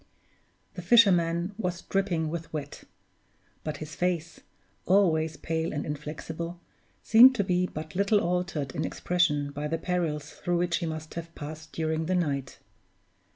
The fisherman was dripping with wet; but his face, always pale and inflexible, seemed to be but little altered in expression by the perils through which he must have passed during the night.